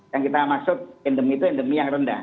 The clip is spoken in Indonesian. yang kita maksud endemi itu endemi yang rendah